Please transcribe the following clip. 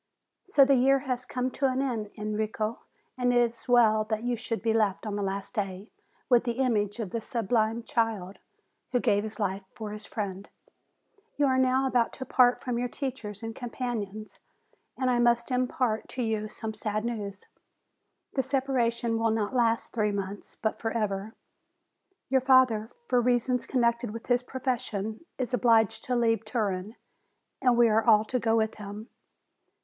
So the year has come to an end, Enrico, and it is well that you should be left on the last day with the image of the sublime child, who gave his life for his friend. You are now about to part from your teachers and companions, and I must impart to you some sad news. The separation will not last three months, but forever. Your father, for reasons connected with his profession, is obliged to leave Turin, and we are all to go with him.